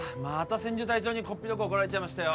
千住隊長にこっぴどく怒られちゃいましたよ